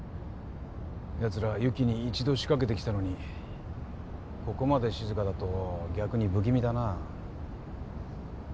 やつらは由岐に一度仕掛けてきたのにここまで静かだと逆に不気味だなぁ。